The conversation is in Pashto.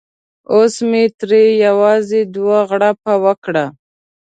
اوس مې ترې یوازې دوه غړپه وکړه.